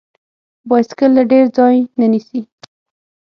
بایسکل له ډیر ځای نه نیسي.